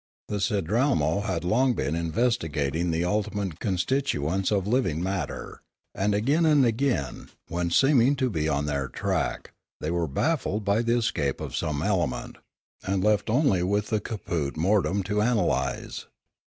The Sidralmo had long been investigating the ultimate constitutents of living mat ter; and again and again, when seeming to be on their track, they were baffled by the escape of some element, and left with only the caput mortuum to analyse.